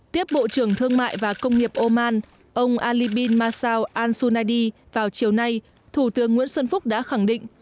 tiếp bộ trưởng thương mại và công nghiệp oman ông alibin masao an sunady vào chiều nay thủ tướng nguyễn xuân phúc đã khẳng định